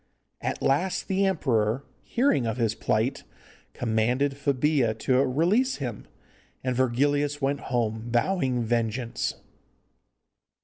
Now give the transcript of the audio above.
At last the emperor, hearing of his plight, commanded Febilla to release him, and Virgilius went home vowing vengeance.